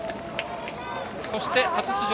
そして、初出場